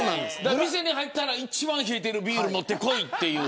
店に入ったら一番冷えているビール持ってこいって。